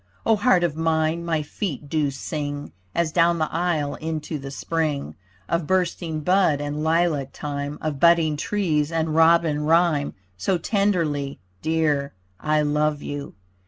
O heart of mine, my feet do sing As down the aisle into the Spring Of bursting bud and lilac time, Of budding trees and robin rhyme, So tenderly, Dear, I love you.